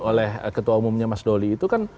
oleh ketua umumnya mas doli itu kan